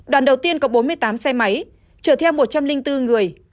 đoàn đầu tiên có bốn mươi tám xe máy chở theo một trăm linh bốn người